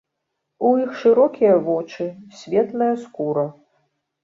У іх шырокія вочы, светлая скура.